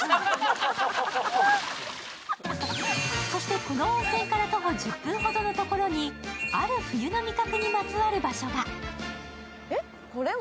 そしてこの温泉から徒歩１０分ほどのところにある冬の味覚にまつわる場所が。